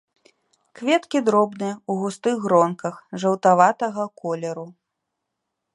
Кветкі дробныя, у густых гронках, жаўтаватага колеру.